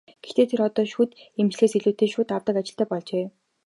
Гэхдээ тэр одоо шүд эмчлэхээс илүүтэй шүд авдаг ажилтай болжээ.